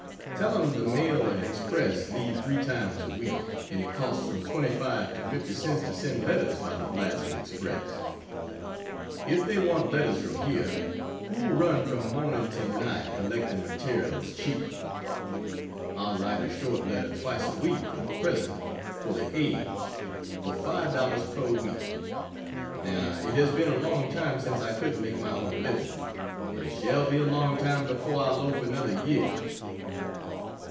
Tell 'em the mail and express leave three times a week, and it costs from 25 to 50 cents to send letters by the blasted express. If they want letters from here, who'll run from morning till night collecting materials cheaper. I'll write a short letter twice a week, for the present, for the "Age," for $5 per week. Now it has been a long time since I couldn't make my own living, and it shall be a long time before I loaf another year.....